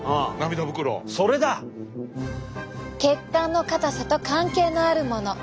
血管の硬さと関係のあるもの！